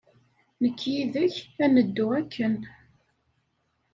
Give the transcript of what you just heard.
Nekk yid-k ad neddu akken.